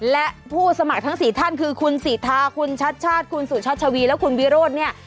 และผู้สมัครทั้ง๔ท่านคือคุณสิทาคุณชัดชาติคุณสุชัชวีและคุณวิโรธเนี่ย